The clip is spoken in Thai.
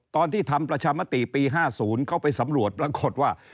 ตอนที่ทำประชามติปี๕๐เขาไปสำรวจปรากฏว่า